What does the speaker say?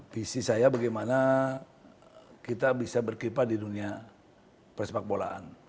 visi saya bagaimana kita bisa berkipa di dunia persepak bolaan